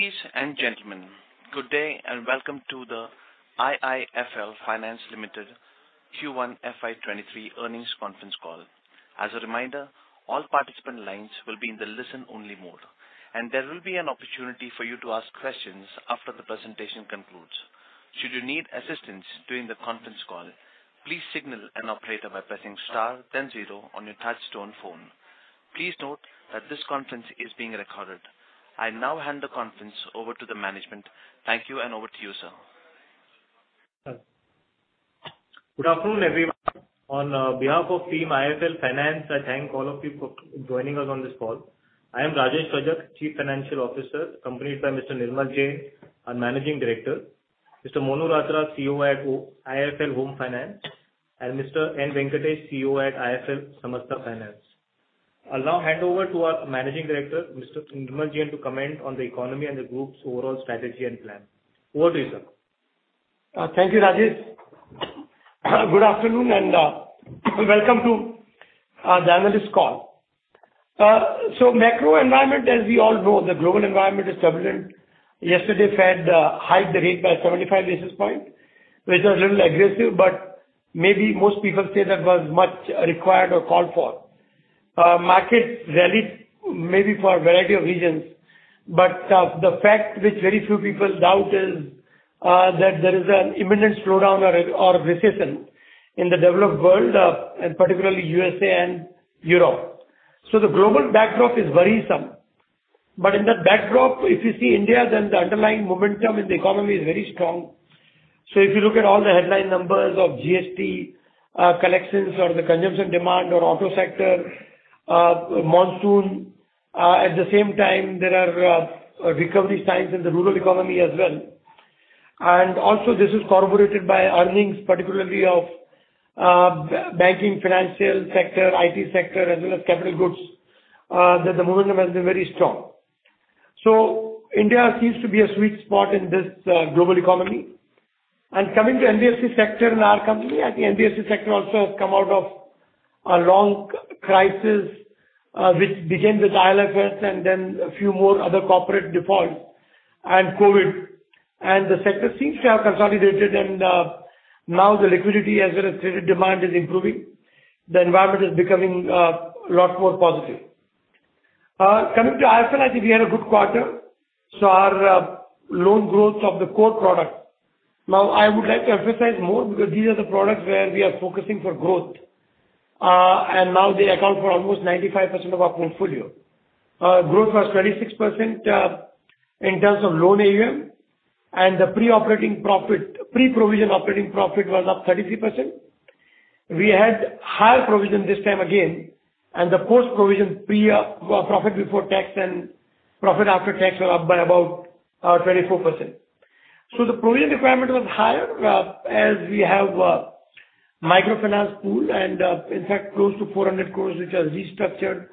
Ladies and gentlemen, good day and welcome to the IIFL Finance Limited Q1 FY23 earnings conference call. As a reminder, all participant lines will be in the listen-only mode, and there will be an opportunity for you to ask questions after the presentation concludes. Should you need assistance during the conference call, please signal an operator by pressing star then zero on your touch-tone phone. Please note that this conference is being recorded. I now hand the conference over to the management. Thank you and over to you, sir. Good afternoon, everyone. On behalf of team IIFL Finance, I thank all of you for joining us on this call. I am Rajesh Rajak, Chief Financial Officer, accompanied by Mr. Nirmal Jain, our Managing Director, Mr. Monu Ratra, CEO at IIFL Home Finance, and Mr. N. Venkatesh, CEO at IIFL Samasta Finance. I'll now hand over to our Managing Director, Mr. Nirmal Jain, to comment on the economy and the group's overall strategy and plan. Over to you, sir. Thank you, Rajesh. Good afternoon and welcome to the analyst call. Macro environment, as we all know, the global environment is turbulent. Yesterday, Fed hiked the rate by 75 basis points, which was a little aggressive, but maybe most people say that was much required or called for. Market rallied maybe for a variety of reasons, but the fact which very few people doubt is that there is an imminent slowdown or recession in the developed world and particularly USA and Europe. The global backdrop is worrisome. In that backdrop, if you see India, then the underlying momentum in the economy is very strong. If you look at all the headline numbers of GST collections or the consumption demand or auto sector monsoon, at the same time there are recovery signs in the rural economy as well. This is corroborated by earnings, particularly of banking, financial sector, IT sector, as well as capital goods, that the momentum has been very strong. India seems to be a sweet spot in this global economy. Coming to NBFC sector in our company, I think NBFC sector also has come out of a long crisis, which began with IL&FS and then a few more other corporate defaults and COVID. The sector seems to have consolidated and now the liquidity as well as credit demand is improving. The environment is becoming a lot more positive. Coming to IIFL, I think we had a good quarter. Our loan growth of the core product. Now, I would like to emphasize more because these are the products where we are focusing for growth, and now they account for almost 95% of our portfolio. Growth was 26%, in terms of loan AUM, and the pre-operating profit, pre-provision operating profit was up 33%. We had higher provision this time again, and the post-provision pre, profit before tax and profit after tax were up by about, 24%. The provision requirement was higher, as we have, microfinance pool and, in fact close to 400 crore which are restructured,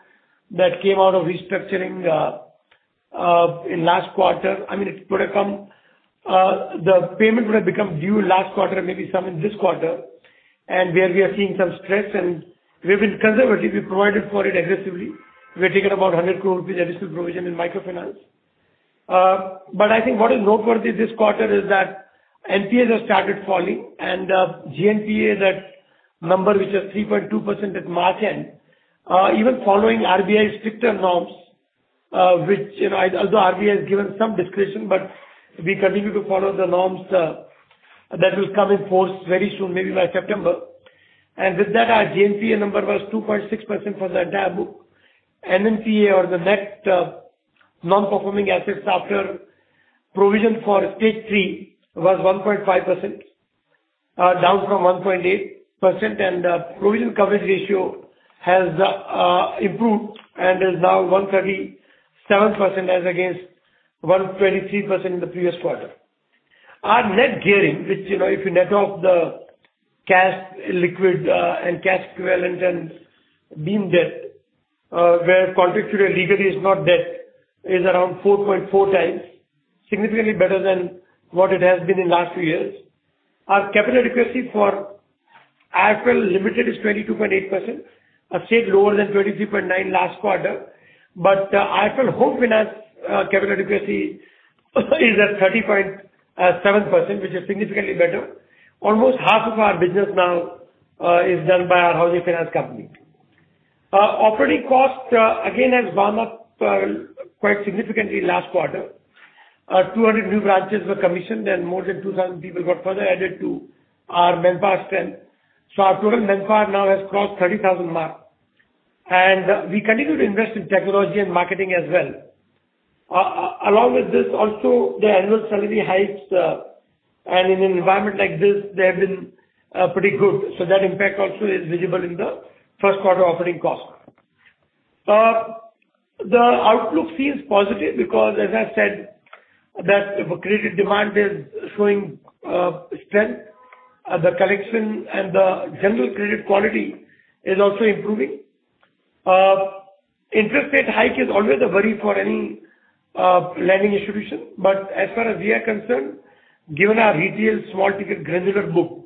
that came out of restructuring, in last quarter. I mean, it would have come, the payment would have become due last quarter, maybe some in this quarter. Where we are seeing some stress, and we've been conservative, we've provided for it aggressively. We've taken about 100 crore rupees additional provision in microfinance. But I think what is noteworthy this quarter is that NPAs have started falling and, GNPA is at number which was 3.2% at March end. Even following RBI's stricter norms, which, you know, although RBI has given some discretion, but we continue to follow the norms, that will come in force very soon, maybe by September. With that, our GNPA number was 2.6% for the entire book. NNPA or the net non-performing assets after provision for stage three was 1.5%, down from 1.8%, and provision coverage ratio has improved and is now 137% as against 123% in the previous quarter. Our net gearing, which, you know, if you net off the cash, liquid, and cash equivalent and beam debt, where contractually legally is not debt, is around 4.4x, significantly better than what it has been in last few years. Our capital adequacy for IIFL Finance Limited is 22.8%, a shade lower than 23.9% last quarter. IIFL Home Finance capital adequacy is at 30.7%, which is significantly better. Almost half of our business now is done by our housing finance company. Operating cost, again, has gone up quite significantly last quarter. 200 new branches were commissioned and more than 2,000 people got further added to our manpower strength. Our total manpower now has crossed the 30,000 mark. We continue to invest in technology and marketing as well. Along with this, also the annual salary hikes, and in an environment like this, they have been pretty good. That impact also is visible in the first quarter operating cost. The outlook seems positive because, as I said, that credit demand is showing strength. The collection and the general credit quality is also improving. Interest rate hike is always a worry for any lending institution. As far as we are concerned, given our retail small ticket granular book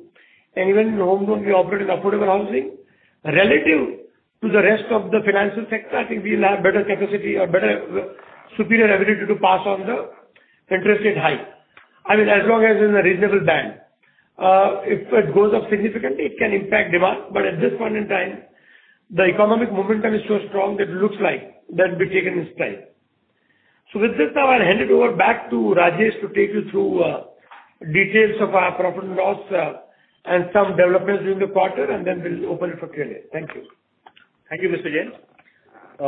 and even in the home loan we operate in affordable housing. Relative to the rest of the financial sector, I think we'll have better capacity or better, superior ability to pass on the interest rate hike. I mean, as long as in a reasonable band. If it goes up significantly, it can impact demand, but at this point in time, the economic momentum is so strong that it looks like that will be taken in its stride. With this now I'll hand it over back to Rajesh to take you through, details of our profit and loss, and some developments during the quarter, and then we'll open it for Q&A. Thank you. Thank you, Mr. Jain.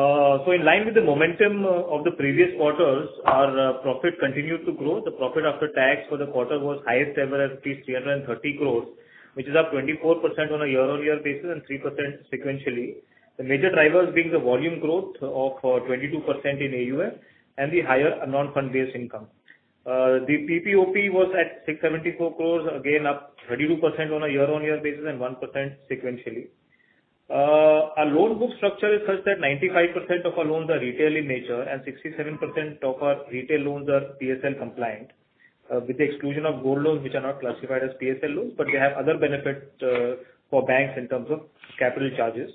In line with the momentum of the previous quarters, our profit continued to grow. The profit after tax for the quarter was highest ever at 300 crores, which is up 24% on a year-on-year basis and 3% sequentially. The major drivers being the volume growth of 22% in AUM and the higher non-fund-based income. The PPOP was at 674 crores, again, up 22% on a year-on-year basis and 1% sequentially. Our loan book structure is such that 95% of our loans are retail in nature and 67% of our retail loans are PSL compliant, with the exclusion of gold loans which are not classified as PSL loans, but they have other benefits for banks in terms of capital charges.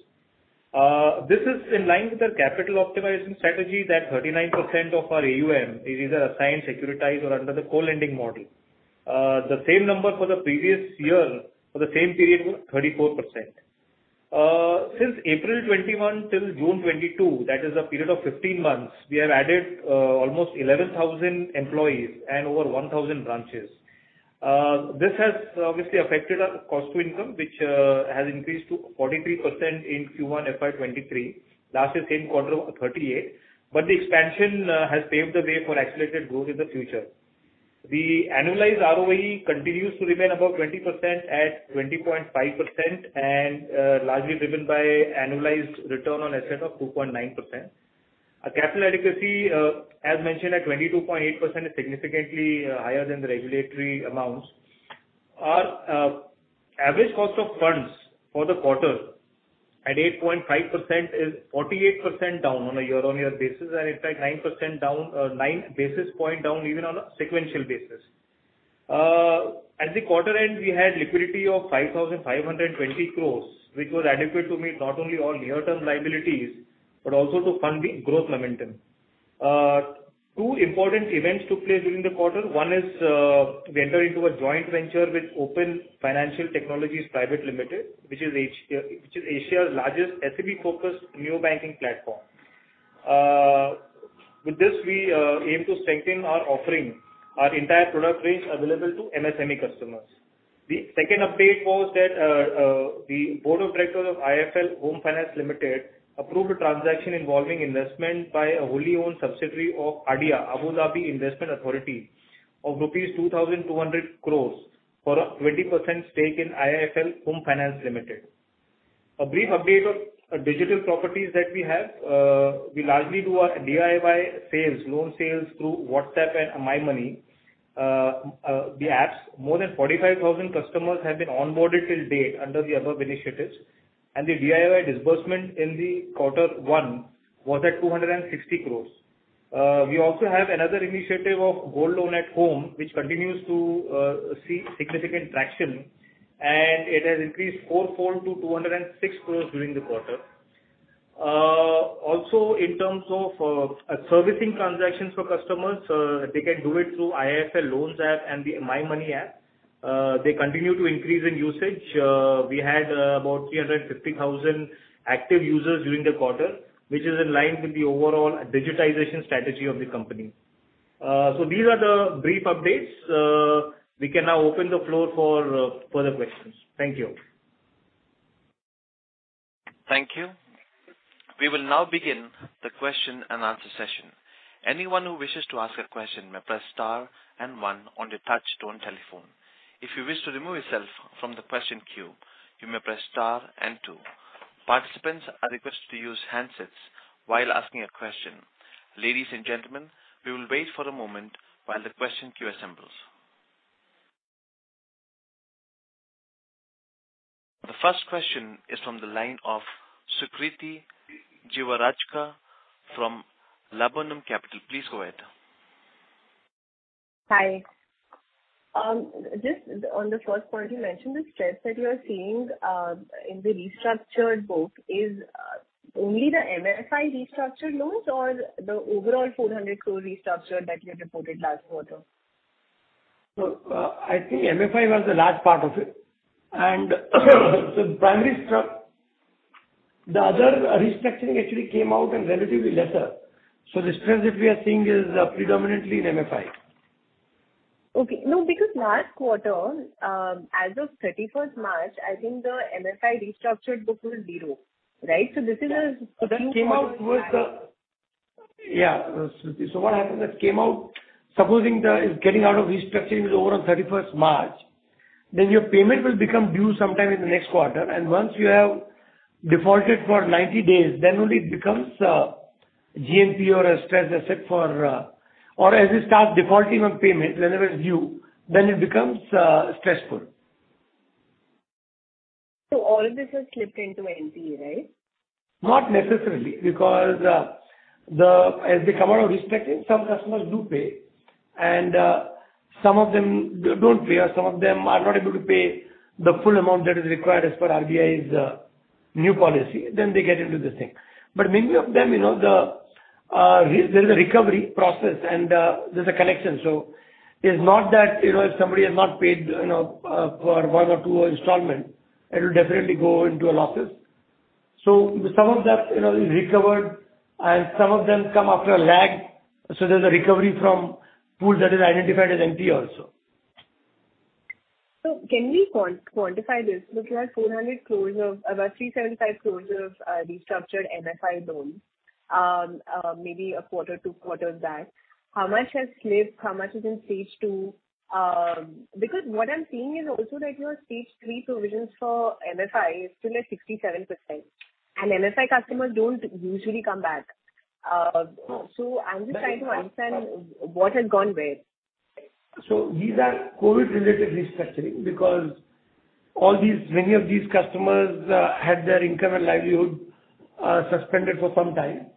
This is in line with our capital optimization strategy that 39% of our AUM is either assigned, securitized or under the co-lending model. The same number for the previous year for the same period was 34%. Since April 2021 till June 2022, that is a period of 15 months, we have added almost 11,000 employees and over 1,000 branches. This has obviously affected our cost to income, which has increased to 43% in Q1 FY23. Last year same quarter was 38%. The expansion has paved the way for accelerated growth in the future. The annualized ROE continues to remain above 20% at 20.5% and largely driven by annualized return on asset of 2.9%. Our capital adequacy, as mentioned at 22.8%, is significantly higher than the regulatory amounts. Our average cost of funds for the quarter at 8.5% is 48% down on a year-on-year basis and in fact 9% down or 9 basis points down even on a sequential basis. At the quarter end, we had liquidity of 5,520 crores, which was adequate to meet not only all near-term liabilities, but also to fund the growth momentum. Two important events took place during the quarter. One is, we enter into a joint venture with Open Financial Technologies Private Limited, which is Asia's largest SME-focused neo-banking platform. With this, we aim to strengthen our offering, our entire product range available to MSME customers. The second update was that the board of directors of IIFL Home Finance Limited approved a transaction involving investment by a wholly owned subsidiary of ADIA, Abu Dhabi Investment Authority, of rupees 2,200 crore for a 20% stake in IIFL Home Finance Limited. A brief update of our digital properties that we have. We largely do our DIY sales, loan sales through WhatsApp and MyMoney, the apps. More than 45,000 customers have been onboarded till date under the above initiatives. The DIY disbursement in the quarter one was at 260 crore. We also have another initiative of gold loan at home, which continues to see significant traction, and it has increased fourfold to 206 crore during the quarter. Also in terms of servicing transactions for customers, they can do it through IIFL Loans app and the MyMoney app. They continue to increase in usage. We had about 350,000 active users during the quarter, which is in line with the overall digitization strategy of the company. These are the brief updates. We can now open the floor for further questions. Thank you. Thank you. We will now begin the question and answer session. Anyone who wishes to ask a question may press star and one on your touch tone telephone. If you wish to remove yourself from the question queue, you may press star and two. Participants are requested to use handsets while asking a question. Ladies and gentlemen, we will wait for a moment while the question queue assembles. The first question is from the line of Sukriti Jiwarajka from Laburnum Capital. Please go ahead. Hi. Just on the first point you mentioned, the stress that you are seeing in the restructured book is only the MFI restructured loans or the overall 400 crore restructured that you had reported last quarter? I think MFI was the large part of it. The other restructuring actually came out in relatively lesser. The stress that we are seeing is predominantly in MFI. Okay. No, because last quarter, as of 31st March, I think the MFI restructured book was zero, right? Yeah, Sukriti. What happened that came out, supposing the getting out of restructuring is over on 31st March, then your payment will become due sometime in the next quarter, and once you have defaulted for 90 days, then only it becomes GNPA or a stressed asset, or as you start defaulting on payments whenever it's due, then it becomes stressful. All of this has slipped into NPA, right? Not necessarily, because as they come out of restructuring, some customers do pay and some of them don't pay, or some of them are not able to pay the full amount that is required as per RBI's new policy, then they get into this thing. Many of them, you know, there is a recovery process and there's a collection. It is not that, you know, if somebody has not paid, you know, for one or two installment, it will definitely go into losses. Some of that, you know, is recovered and some of them come after a lag, so there's a recovery from pool that is identified as NPA also. Can we quantify this? Because you have 400 crores of about 375 crores of restructured MFI loans, maybe a quarter, two quarters back. How much has slipped? How much is in stage two? Because what I'm seeing is also that your stage three provisions for MFI is still at 67% and MFI customers don't usually come back. I'm just trying to understand what has gone where. These are COVID-related restructuring because all these, many of these customers, had their income and livelihood, suspended for some time.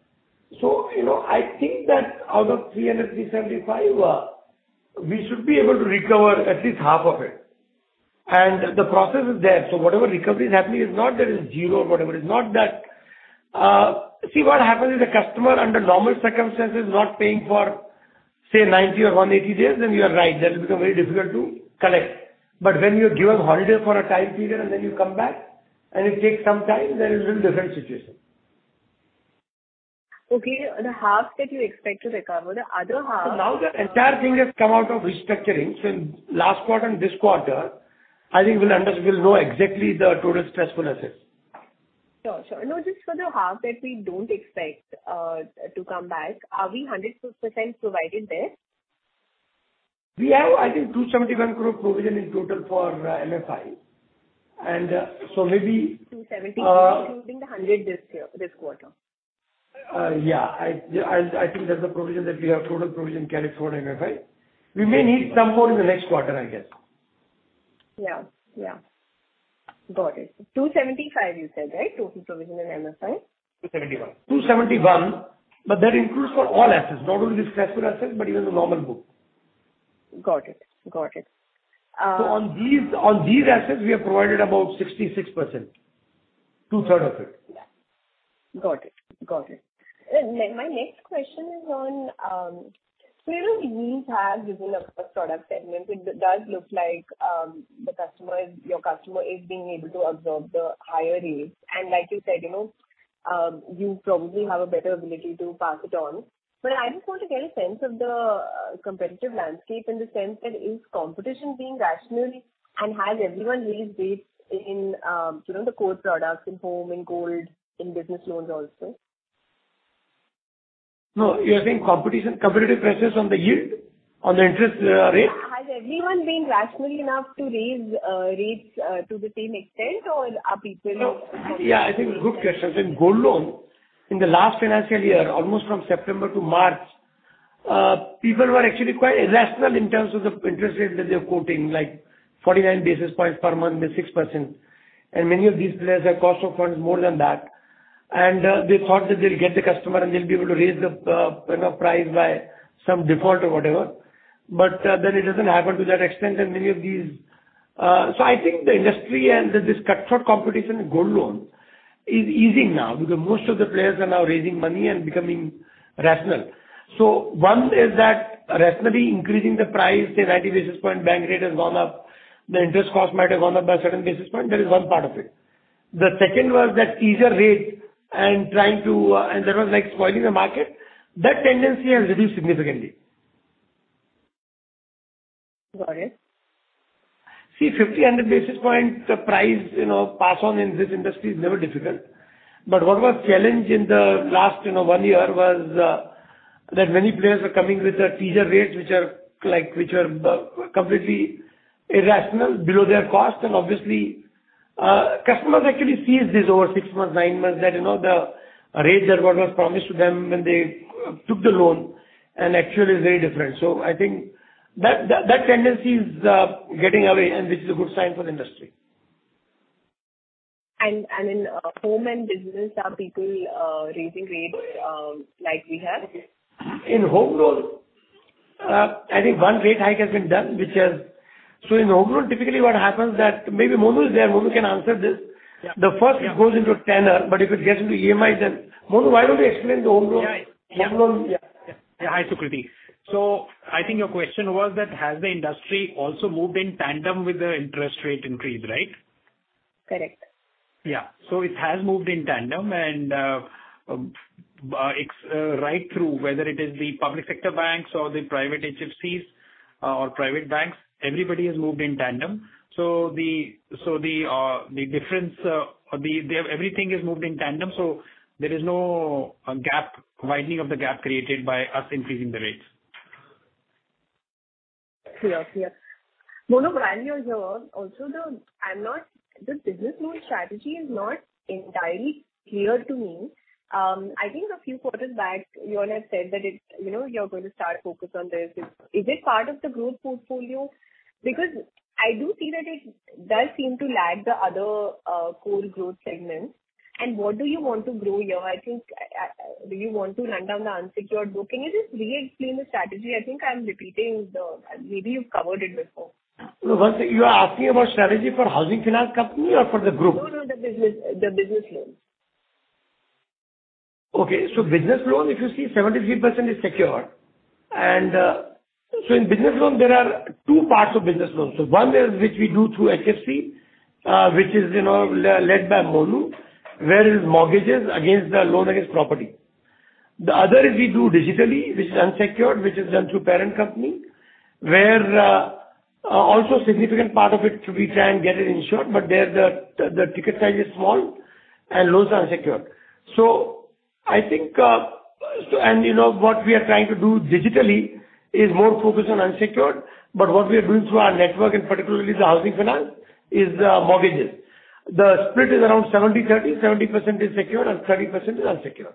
You know, I think that out of 375 crore, we should be able to recover at least half of it. The process is there, so whatever recovery is happening is not that it's zero or whatever, it's not that. See, what happens is the customer under normal circumstances is not paying for, say, 90 or 180 days, then you are right, that will become very difficult to collect. When you give a holiday for a time period and then you come back and it takes some time, that is a different situation. Okay. The half that you expect to recover, the other half. Now the entire thing has come out of restructuring. In last quarter and this quarter, I think we'll know exactly the total stressed assets. Sure. No, just for the half that we don't expect to come back, are we 100% provided there? We have, I think, 271 crore provision in total for MFI. 270 crore, including the 100 crore this year, this quarter. Yeah. I think that's the provision that we have, total provision carried for MFI. We may need some more in the next quarter, I guess. Yeah. Yeah. Got it. 275 crore you said, right? Total provision in MFI? 271 crore, but that includes for all assets, not only the stressed assets but even the normal book. Got it. On these assets, we have provided about 66%. Two-thirds of it. Yeah. Got it. My next question is on, so you have given across product segments, it does look like, the customer, your customer is being able to absorb the higher rates. Like you said, you know, you probably have a better ability to pass it on. I just want to get a sense of the competitive landscape in the sense that is competition being rational and has everyone raised rates in, you know, the core products in home, in gold, in business loans also? No, you're saying competition, competitive pressures on the yield, on the interest, rate? Has everyone been rational enough to raise rates to the same extent, or are people- Yeah, I think it's a good question. In gold loan, in the last financial year, almost from September to March, people were actually quite irrational in terms of the interest rate that they're quoting, like 49 basis points per month means 6%. Many of these players have cost of funds more than that. They thought that they'll get the customer and they'll be able to raise the, you know, price by some default or whatever. But then it doesn't happen to that extent. So I think the industry and this cutthroat competition in gold loan is easing now because most of the players are now raising money and becoming rational. One is that rationally increasing the price, say 90 basis point bank rate has gone up, the interest cost might have gone up by a certain basis point. That is one part of it. The second was that teaser rates and trying to, and that was like spoiling the market. That tendency has reduced significantly. Got it. See, 50-100 basis points, the price, you know, pass on in this industry is never difficult. What was challenge in the last, you know, one year was that many players were coming with the teaser rates, which are completely irrational below their cost. Obviously, customers actually see this over six months, nine months, that, you know, the rates that what was promised to them when they took the loan and actually is very different. I think that tendency is getting away and this is a good sign for the industry. In home and business, are people raising rates like we have? In home loans, I think one rate hike has been done. In home loan, typically what happens that maybe Monu is there, Monu can answer this. Yeah. The first it goes into tenor, but if it gets into EMI, then Monu, why don't you explain the home loan? Yeah. Home loans. Yeah. Hi, Sukriti. I think your question was that has the industry also moved in tandem with the interest rate increase, right? Correct. Yeah. It has moved in tandem and it's right through, whether it is the public sector banks or the private HFCs or private banks, everybody has moved in tandem. The difference, everything has moved in tandem, so there is no widening of the gap created by us increasing the rates. Clear. Monu, while you're here, the business loan strategy is not entirely clear to me. I think a few quarters back, you all had said that it's, you know, you're going to start focus on this. Is it part of the growth portfolio? Because I do see that it does seem to lag the other core growth segments. What do you want to grow here? I think do you want to run down the unsecured book? Can you just re-explain the strategy? I think I'm repeating. Maybe you've covered it before. No, one second. You are asking about strategy for housing finance company or for the group? No, the business loans. Okay. Business loan, if you see, 73% is secured. In business loans there are two parts of business loans. One is which we do through HFC, which is, you know, led by Monu, where it is mortgage against property. The other is we do digitally, which is unsecured, which is done through parent company, where also a significant part of it we try and get it insured, but there the ticket size is small and loans are unsecured. I think, what we are trying to do digitally is more focused on unsecured, but what we are doing through our network and particularly the housing finance is mortgages. The split is around 70-30, 70% is secured and 30% is unsecured.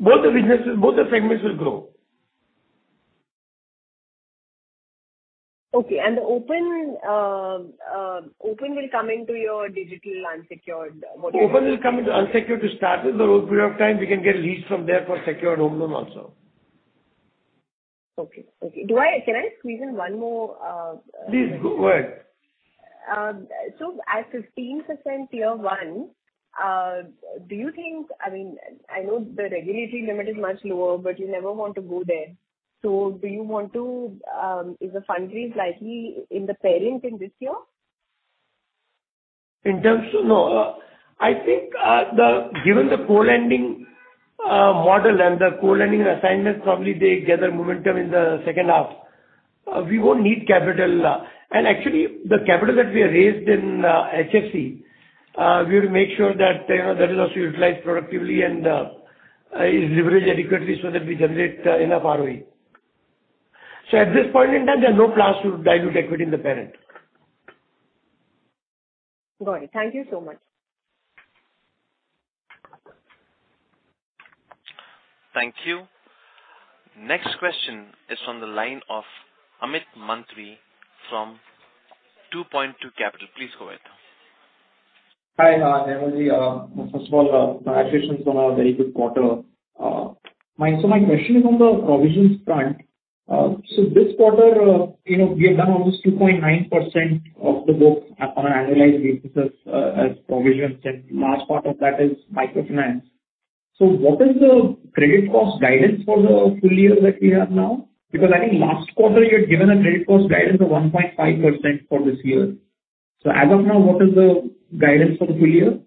Both the businesses, both the segments will grow. Okay. The Open will come into your digital unsecured mortgage? Open will come into unsecured to start with, but over a period of time we can get leads from there for secured home loan also. Okay. Can I squeeze in one more? Please go ahead. At 15% Tier 1, do you think, I mean, I know the regulatory limit is much lower, but you never want to go there. Is a fundraise likely in the parent in this year? I think, given the co-lending model and the co-lending assignments, probably they gather momentum in the second half. We won't need capital. Actually the capital that we have raised in HFC, we will make sure that, you know, that is also utilized productively and is leveraged adequately so that we generate enough ROE. At this point in time, there are no plans to dilute equity in the parent. Got it. Thank you so much. Thank you. Next question is from the line of Amit Mantri from 2Point2 Capital. Please go ahead. Hi, Nirmal Jain. First of all, congratulations on a very good quarter. My question is on the provisions front. This quarter, you know, we have done almost 2.9% of the book on an annualized basis, as provisions, and large part of that is microfinance. What is the credit cost guidance for the full year that we have now? Because I think last quarter you had given a credit cost guidance of 1.5% for this year. As of now, what is the guidance for the full year?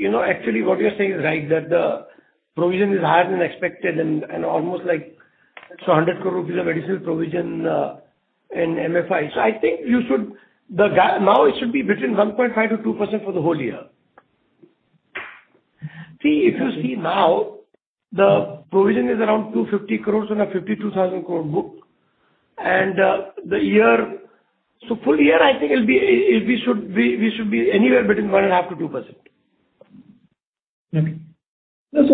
You know, actually what you're saying is right, that the provision is higher than expected and almost like it's 100 crore rupees of additional provision in MFI. I think you should, Now it should be between 1.5%-2% for the whole year. See, if you see now, the provision is around 250 crore in a 52,000 crore book. The year, so full year I think it'll be, it, we should be anywhere between 1.5%-2%. Okay. This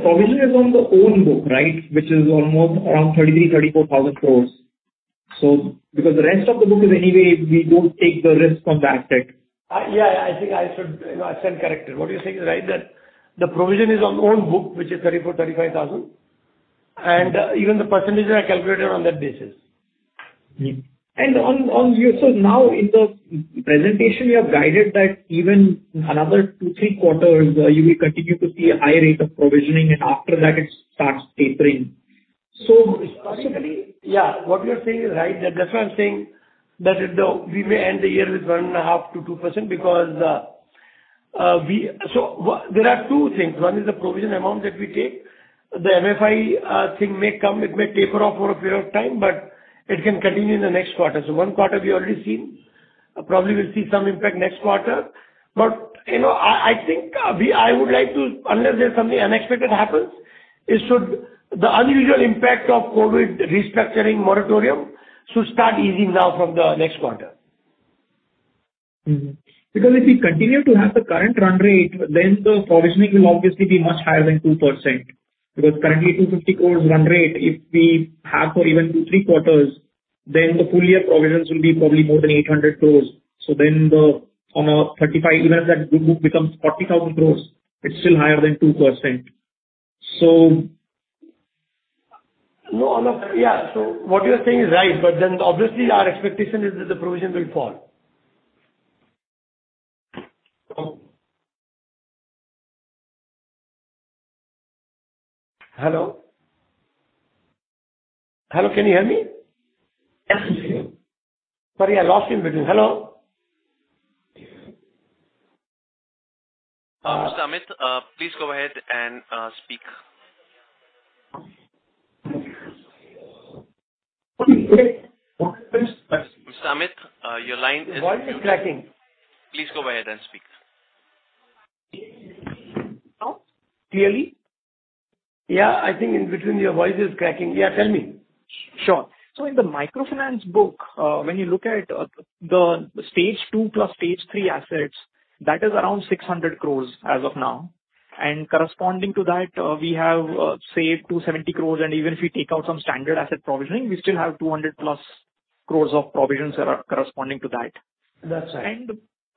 provision is on the own book, right? Which is almost around 33,000 crore- 34,000 crore. Because the rest of the book is anyway, we don't take the risk on that too. Yeah. I think I should, you know, I said correctly. What you're saying is right, that the provision is on own book, which is 34,000 crore-35,000 crore. Even the percentages are calculated on that basis. Now in the presentation you have guided that even another two, three quarters, you will continue to see a high rate of provisioning, and after that it starts tapering. Possibly Yeah. What you're saying is right, that that's why I'm saying that it we may end the year with 1.5%-2% because we. There are two things. One is the provision amount that we take. The MFI thing may come, it may taper off for a period of time, but it can continue in the next quarter. One quarter we've already seen. Probably we'll see some impact next quarter. You know, I think, unless there's something unexpected happens, it should. The unusual impact of COVID restructuring moratorium should start easing now from the next quarter. If we continue to have the current run rate, then the provisioning will obviously be much higher than 2%. Currently 250 crore run rate, if we have for even two, three quarters, then the full year provisions will be probably more than 800 crore. The, on a 35, even if that group becomes 40,000 crore, it's still higher than 2%. No, no. Yeah. What you're saying is right, but then obviously our expectation is that the provision will fall. Hello? Hello, can you hear me? Yes. Sorry, I lost you in between. Hello? Mr. Amit Mantri, please go ahead and speak. Okay, great. Okay. Mr. Amit Mantri, your line is. Your voice is cracking. Please go ahead and speak. Now? Clearly? Yeah. I think in between your voice is cracking. Yeah, tell me. In the microfinance book, when you look at the stage two plus stage three assets, that is around 600 crore as of now. Corresponding to that, we have say 270 crore and even if we take out some standard asset provisioning, we still have 200+ crore of provisions that are corresponding to that. That's right.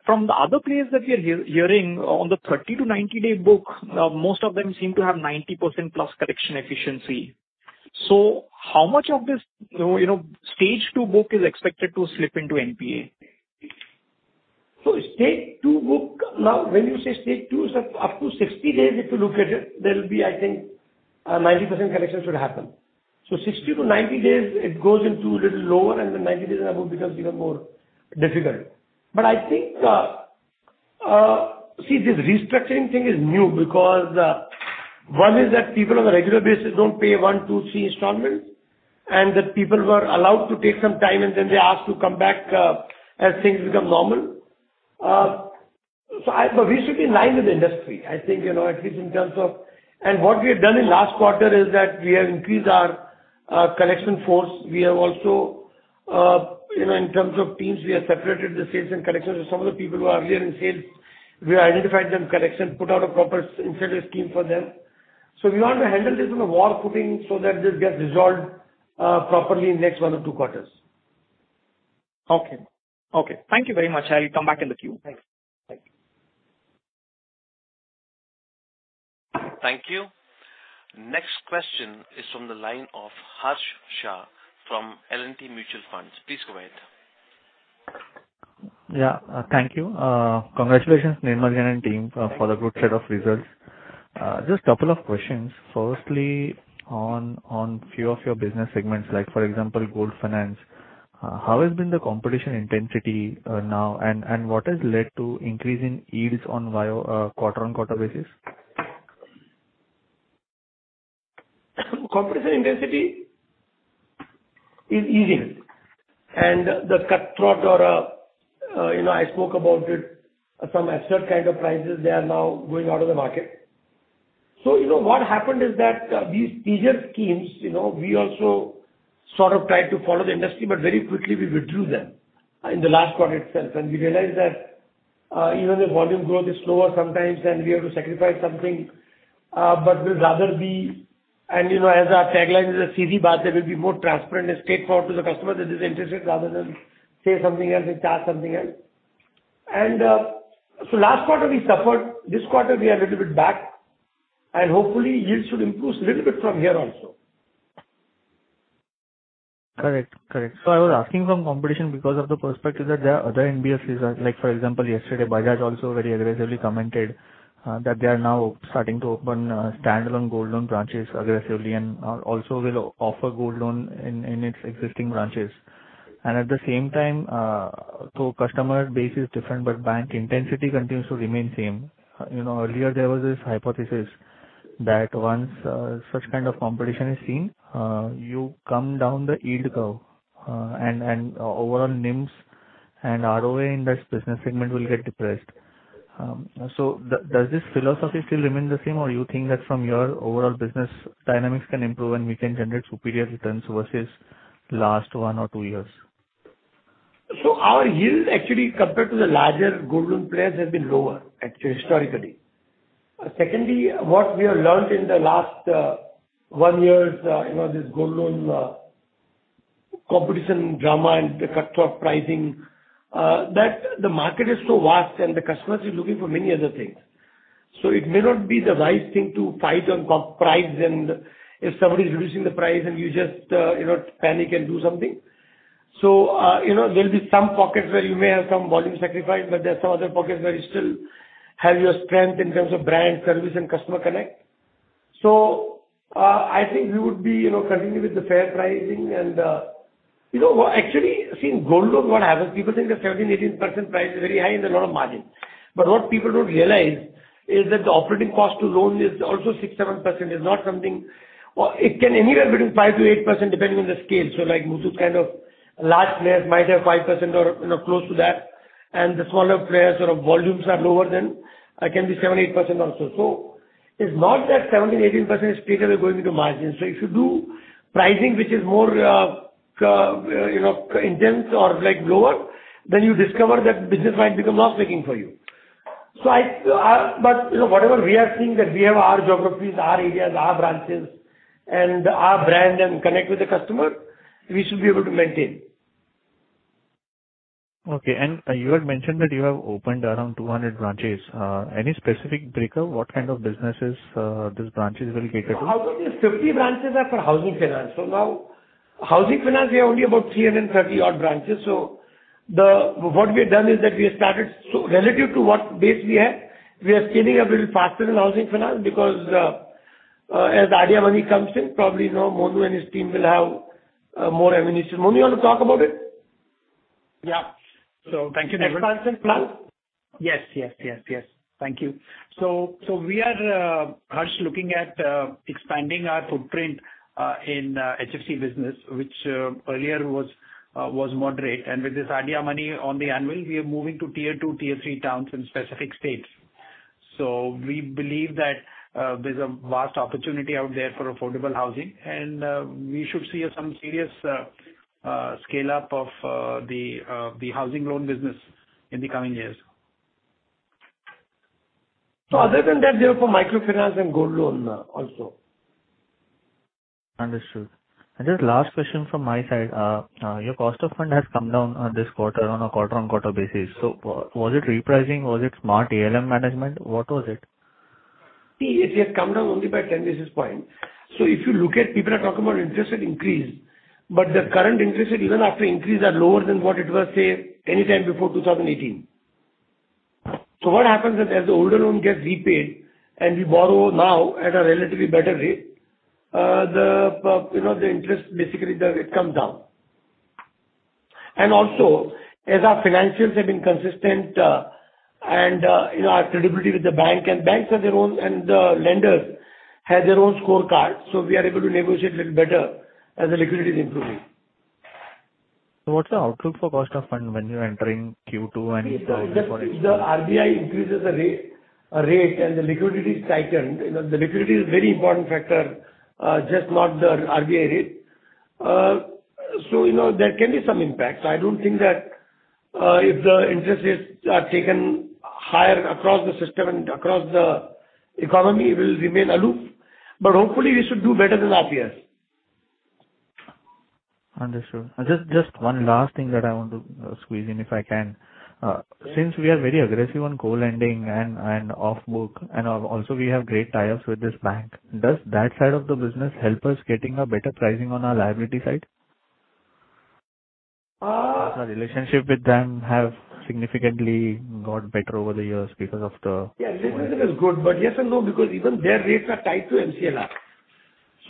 From the other place that we are hearing on the 30- to 90-day book, most of them seem to have 90% plus correction efficiency. How much of this, you know, stage two book is expected to slip into NPA? Stage two book. Now when you say stage two, up to 60 days if you look at it, there'll be, I think, 90% collection should happen. 60-90 days it goes into little lower, and then 90 days and above becomes even more difficult. I think, see this restructuring thing is new because one is that people on a regular basis don't pay one, two, three installments and that people were allowed to take some time and then they're asked to come back as things become normal. We should be in line with the industry. I think, you know, at least in terms of what we have done in last quarter is that we have increased our collection force. We have also, you know, in terms of teams, we have separated the sales and collections. Some of the people who are there in sales, we identified them for collection, put out a proper incentive scheme for them. We want to handle this on a war footing so that this gets resolved, properly in next one or two quarters. Okay. Thank you very much. I'll come back in the queue. Thanks. Thank you. Thank you. Next question is from the line of Harsh Shah from L&T Mutual Fund. Please go ahead. Yeah. Thank you. Congratulations, Nirmal Jain and team for the good set of results. Just couple of questions. Firstly, on few of your business segments, like for example, gold finance, how has been the competition intensity now, and what has led to increase in yields on QoQ quarter on quarter basis? Competition intensity is easing and the cutthroat, you know, I spoke about it, some absurd kind of prices, they are now going out of the market. You know, what happened is that, these easier schemes, you know, we also sort of tried to follow the industry, but very quickly we withdrew them, in the last quarter itself. We realized that, even the volume growth is slower sometimes and we have to sacrifice something, but we'd rather be. You know, as our tagline is a easy path, that we'll be more transparent and straightforward to the customer that is interested rather than say something else and charge something else. Last quarter we suffered. This quarter we are a little bit back and hopefully yields should improve little bit from here also. Correct. I was asking about competition from the perspective that there are other NBFCs, like for example, yesterday Bajaj also very aggressively commented that they are now starting to open standalone gold loan branches aggressively and also will offer gold loan in its existing branches. At the same time, customer base is different, but branch intensity continues to remain same. You know, earlier there was this hypothesis that once such kind of competition is seen, you come down the yield curve, and overall NIMS and ROA in this business segment will get depressed. Does this philosophy still remain the same, or you think that your overall business dynamics can improve and we can generate superior returns versus last one or two years? Our yields actually compared to the larger gold loan players has been lower actually historically. Secondly, what we have learned in the last, one years, you know, this gold loan, competition drama and the cutthroat pricing, that the market is so vast and the customers are looking for many other things. It may not be the right thing to fight on low price and if somebody is reducing the price and you just, you know, panic and do something. You know, there'll be some pockets where you may have some volume sacrifice, but there are some other pockets where you still have your strength in terms of brand, service and customer connect. I think we would be, you know, continue with the fair pricing and, you know, actually, see in gold loan what happens, people think that 17%-18% price is very high and a lot of margin. But what people don't realize is that the operating cost to loan is also 6%-7%, or it can be anywhere between 5%-8% depending on the scale. Like Muthoot kind of large players might have 5% or, you know, close to that. And the smaller players, sort of, volumes are lower, then can be 7%-8% also. It's not that 17%-18% is straightaway going into margin. If you do pricing which is more, you know, intense or like lower, then you discover that business might become loss-making for you. I, but you know, whatever we are seeing that we have our geographies, our areas, our branches and our brand and connect with the customer, we should be able to maintain. Okay. You had mentioned that you have opened around 200 branches. Any specific breakdown, what kind of businesses these branches will cater to? Out of these, 50 branches are for housing finance. Now housing finance, we have only about 330-odd branches. Relative to what base we have, we are scaling up a little faster in housing finance because as ADIA money comes in, probably, you know, Monu and his team will have more ammunition. Monu, you want to talk about it? Yeah. Thank you, Nirmal. Expansion plan. Yes. Thank you. We are, Harsh, looking at expanding our footprint in HFC business, which earlier was moderate. With this ADIA money on the anvil, we are moving to Tier 2, Tier 3 towns in specific states. We believe that there's a vast opportunity out there for affordable housing and we should see some serious scale-up of the housing loan business in the coming years. Other than that, therefore, for microfinance and gold loan also. Understood. Just last question from my side. Your cost of fund has come down this quarter on a quarter-on-quarter basis. Was it repricing? Was it smart ALM management? What was it? See, it has come down only by 10 basis points. If you look at people are talking about interest rate increase, but the current interest rate, even after increase, are lower than what it was, say any time before 2018. What happens is, as the older loan gets repaid and we borrow now at a relatively better rate, you know, the interest basically the rate comes down. Our financials have been consistent, you know, our credibility with the bank and banks have their own and the lenders have their own scorecard, so we are able to negotiate little better as the liquidity is improving. What's the outlook for cost of funds when you're entering Q2 and Q3 for next year? If the RBI increases the rate and the liquidity is tightened, you know, the liquidity is very important factor, just not the RBI rate. You know, there can be some impact. I don't think that if the interest rates are taken higher across the system and across the economy, we'll remain aloof. Hopefully we should do better than last year. Understood. Just one last thing that I want to squeeze in, if I can. Since we are very aggressive on co-lending and off-book, and also we have great tie-ups with this bank, does that side of the business help us getting a better pricing on our liability side? Uh- As our relationship with them have significantly got better over the years because of the. Yeah, relationship is good, but yes and no, because even their rates are tied to MCLR.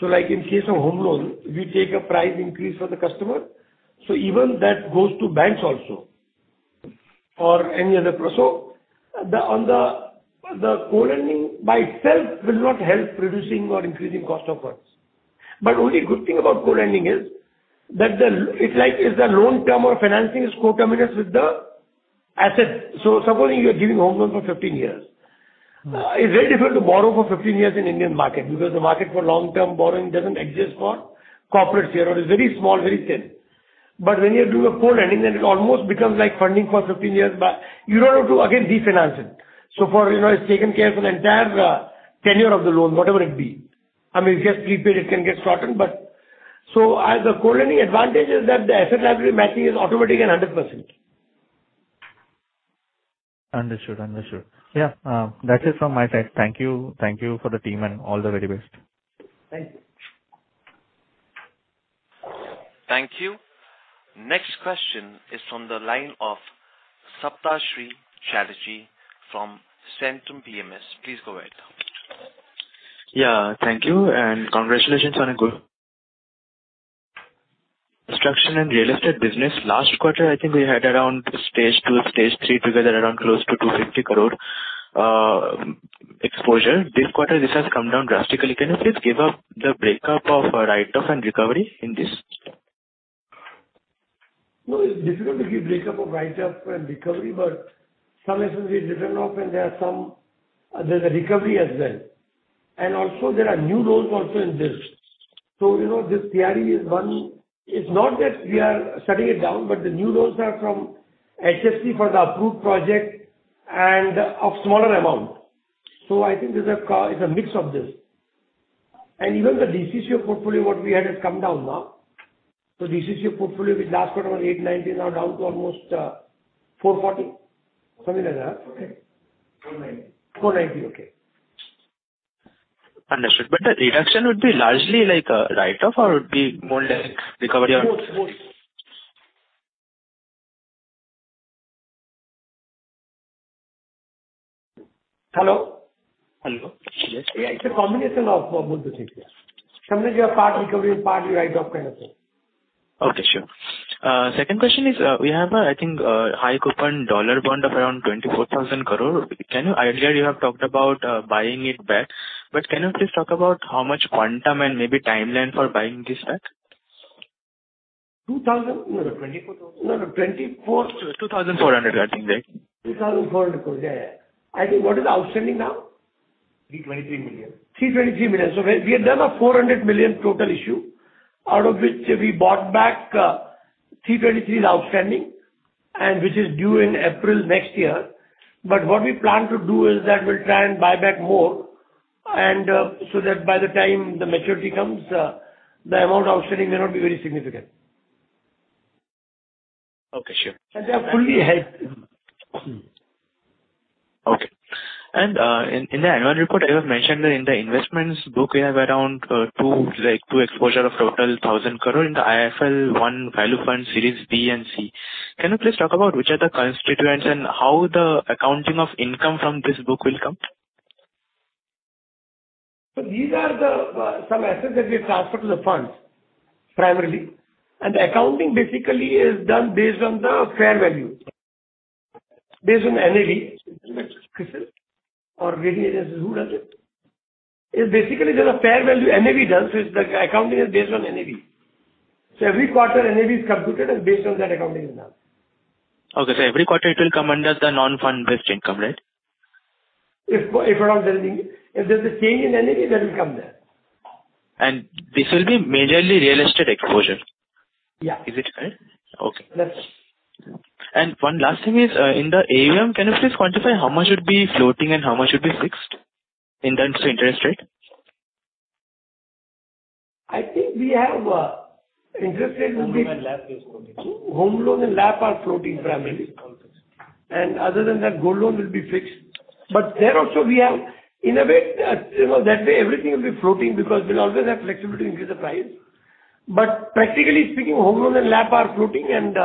Like in case of home loan, we take a price increase for the customer, so even that goes to banks also or any other person. On the co-lending by itself will not help reducing or increasing cost of funds. But only good thing about co-lending is that it's like it's the loan term or financing is co-terminous with the asset. Supposing you're giving home loan for 15 years. Mm-hmm. It's very difficult to borrow for 15 years in Indian market because the market for long-term borrowing doesn't exist for corporate sector or is very small, very thin. When you are doing a co-lending, then it almost becomes like funding for 15 years, but you don't have to again refinance it. For, you know, it's taken care for the entire tenure of the loan, whatever it be. I mean, if you have prepaid it can get shortened. As a co-lending advantage is that the asset liability matching is automatic and 100%. Understood. Yeah, that's it from my side. Thank you for the team and all the very best. Thank you. Thank you. Next question is from the line of Saptarshee Chatterjee from Centrum PMS. Please go ahead. Yeah. Thank you and congratulations on a good quarter. Construction and real estate business, last quarter I think we had around Stage 2 and Stage 3 together, around close to 250 crore exposure. This quarter this has come down drastically. Can you please give us the break-up of write-off and recovery in this? No, it's difficult to give breakup of write-off and recovery, but some assets we've written off and there are some. There's a recovery as well. Also there are new loans also in this. You know, this CRE is one. It's not that we are shutting it down, but the new loans are from HFC for the approved project and of smaller amount. So I think it's a mix of this. Even the DCC of portfolio what we had has come down now. So DCC of portfolio in the last quarter was 890 crore, now down to almost 440 crore. Something like that, okay. 490 crore. 490 crore. Okay. Understood. The reduction would be largely like a write-off or it would be more like recovery. Both. Hello? Hello. Yes. It's a combination of both the things. Some of it you have part recovery and part you write off kind of thing. Okay. Sure. Second question is, we have, I think, a high coupon dollar bond of around 24,000 crore. Earlier you have talked about buying it back, but can you please talk about how much quantum and maybe timeline for buying this back? 2,000- INR 24,000 crore. No, no. INR 2,400 crore, I think, right? INR 2,400 crore. Yeah, yeah. I think what is the outstanding now? INR 323 million. INR 323 million. We have done a 400 million total issue, out of which we bought back 323 million is outstanding and which is due in April next year. What we plan to do is that we'll try and buy back more and so that by the time the maturity comes, the amount outstanding may not be very significant. Okay. Sure. They're fully hedged. Okay. In the annual report you have mentioned that in the investments book you have around 2,000 crore exposure in the IIFL One Value Fund Series B and C. Can you please talk about which are the constituents and how the accounting of income from this book will come? These are some assets that we have transferred to the fund primarily, and the accounting basically is done based on the fair value. Based on the NAV. Isn't it, Krishan? Or rating agencies, who does it? It's basically there's a fair value NAV does, it's the accounting is based on NAV. Every quarter NAV is computed and based on that, accounting is done. Okay. Every quarter it will come under the non-fund-based income, right? If we're not lending. If there's a change in NII, that will come there. This will be majorly real estate exposure. Yeah. Is it correct? Okay. That's it. One last thing is, in the AUM, can you please quantify how much would be floating and how much would be fixed in terms of interest rate? I think interest rates will be. Home loan and LAP are floating. Home loan and LAP are floating primarily. Okay. Other than that, gold loan will be fixed. There also we have innovated, you know, that way everything will be floating because we'll always have flexibility to increase the price. Practically speaking, home loan and LAP are floating and,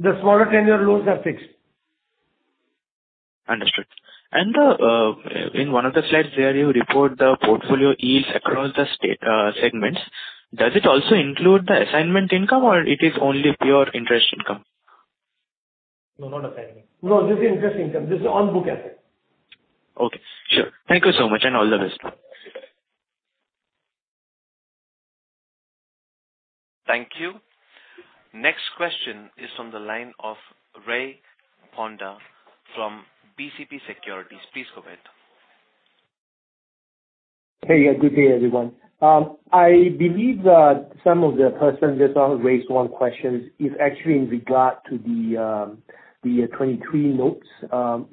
the smaller tenure loans are fixed. Understood. In one of the slides where you report the portfolio yields across the segments, does it also include the assignment income, or it is only pure interest income? No, not assignment. No, this is interest income. This is on-book asset. Okay, sure. Thank you so much, and all the best. Thank you. Bye. Thank you. Next question is from the line of Ray Pohanda from BCP Securities. Please go ahead. Hey. Good day, everyone. I believe that some of the persons just raised one question is actually in regard to the 23 notes.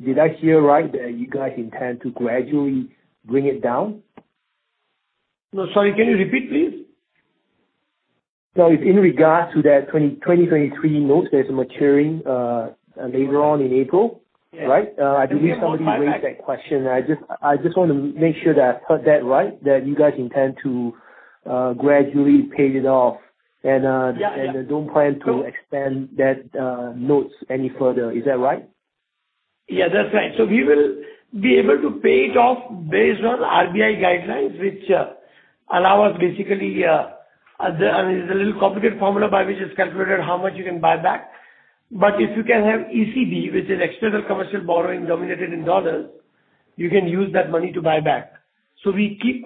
Did I hear right that you guys intend to gradually bring it down? No. Sorry. Can you repeat, please? No, it's in regards to that 2023 notes that's maturing later on in April. Yeah. Right? I believe somebody raised that question. I just want to make sure that I've heard that right, that you guys intend to gradually pay it off and Yeah, yeah. Don't plan to extend that notes any further. Is that right? Yeah, that's right. We will be able to pay it off based on RBI guidelines, which allow us basically, I mean, it's a little complicated formula by which it's calculated how much you can buy back. If you can have ECB, which is External Commercial Borrowing denominated in dollars, you can use that money to buy back. At this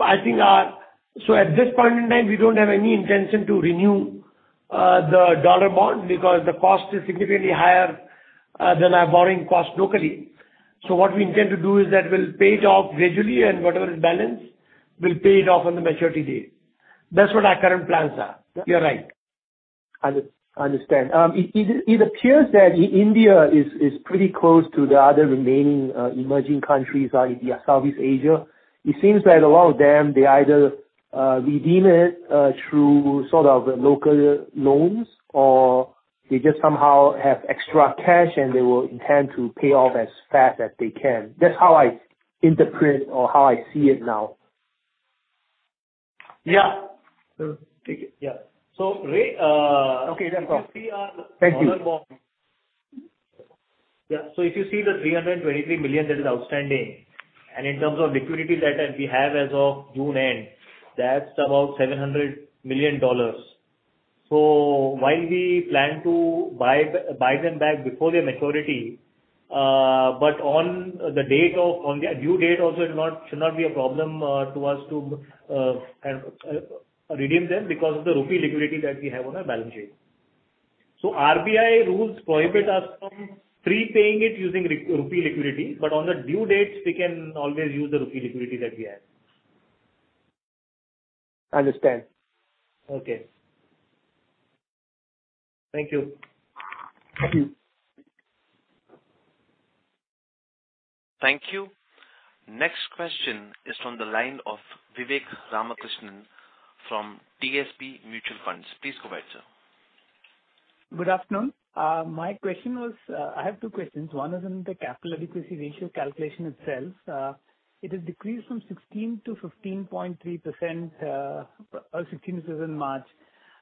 point in time, we don't have any intention to renew the dollar bond because the cost is significantly higher than our borrowing cost locally. What we intend to do is that we'll pay it off gradually, and whatever the balance is, we'll pay it off on the maturity date. That's what our current plans are. You're right. I understand. It appears that India is pretty close to the other remaining emerging countries in Southeast Asia. It seems that a lot of them either redeem it through sort of local loans, or they just somehow have extra cash, and they will intend to pay off as fast as they can. That's how I interpret or how I see it now. Yeah. Take it. Yeah. Ray, Okay. No problem. If you see our- Thank you. Yeah. If you see the $323 million that is outstanding, and in terms of liquidity that we have as of June end, that's about $700 million. While we plan to buy them back before their maturity, but on the due date also is not, should not be a problem to us to redeem them because of the rupee liquidity that we have on our balance sheet. RBI rules prohibit us from prepaying it using rupee liquidity, but on the due dates, we can always use the rupee liquidity that we have. Understand. Okay. Thank you. Thank you. Thank you. Next question is from the line of Vivek Ramakrishnan from DSP Mutual Fund. Please go ahead, sir. Good afternoon. My question was, I have two questions. One is on the capital adequacy ratio calculation itself. It has decreased from 16% to 15.3%, as of 16% as it is in March.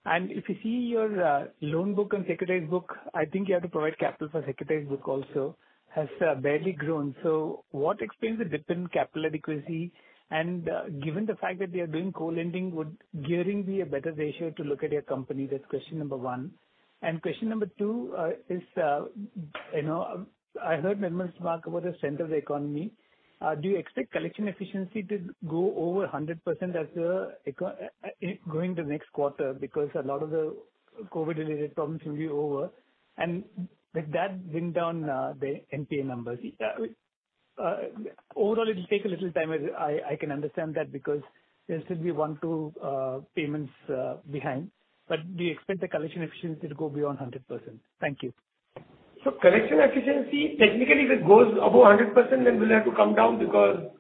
If you see your loan book and securities book, I think you have to provide capital for securities book also has barely grown. What explains the dip in capital adequacy? Given the fact that they are doing co-lending, would gearing be a better ratio to look at your company? That's question number one. Question number two is, you know, I heard management talk about the strength of the economy. Do you expect collection efficiency to go over 100% as going into next quarter? Because a lot of the COVID-related problems will be over. With that bring down the NPA numbers. Overall it'll take a little time. I can understand that because there'll still be one, two payments behind. Do you expect the collection efficiency to go beyond 100%? Thank you. Collection efficiency, technically if it goes above 100%, then we'll have to come down because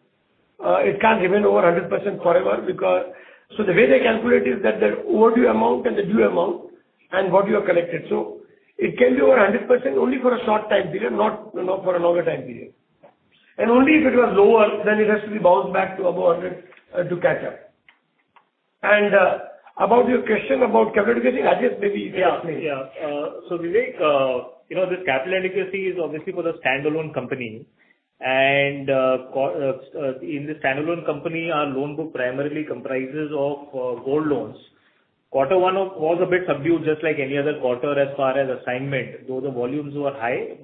it can't remain over 100% forever because the way they calculate is that the overdue amount and the due amount and what you have collected. It can be over 100% only for a short time period, not for a longer time period. Only if it was lower, then it has to be bounced back to above 100%, to catch up. About your question about capital adequacy, Rajesh Rajak maybe you can explain. Yeah, Vivek, you know, this capital adequacy is obviously for the standalone company. In the standalone company, our loan book primarily comprises of gold loans. Quarter one was a bit subdued just like any other quarter as far as disbursement, though the volumes were high.